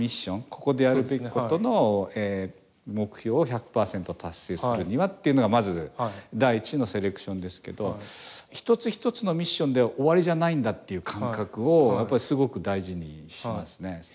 ここでやるべきことの目標を１００％達成するにはというのがまず第１のセレクションですけど一つ一つのミッションで終わりじゃないんだという感覚をやっぱり、すごく大事にしますね。